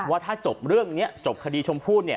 ว่าถ้าจบเรื่องนี้จบคดีชมพู่